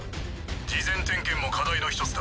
事前点検も課題の一つだ。